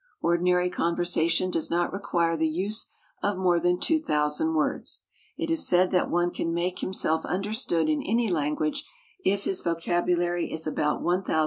Ordinary conversation does not require the use of more than 2,000 words. It is said that one can make himself understood in any language if his vocabulary is about 1,500 words.